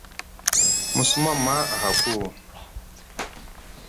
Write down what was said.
Mu suma ma a haku?